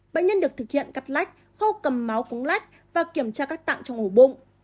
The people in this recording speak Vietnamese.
bệnh nhân được thực hiện cắt lách khâu cầm máu phúng lách và kiểm tra các tạng trong ổ bụng